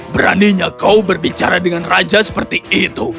beraninya kau berbicara dengan raja seperti itu